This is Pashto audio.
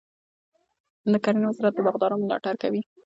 د کرنې وزارت د باغدارانو ملاتړ کوي.